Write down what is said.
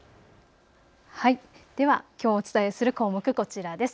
ではきょうお伝えする項目こちらです。